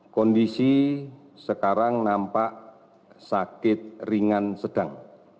kondisi sekarang nampak sakit ringan sedang